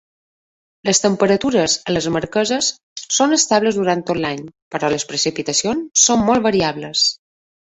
Les temperatures a les Marqueses són estables durant tot l'any, però les precipitacions són molt variables.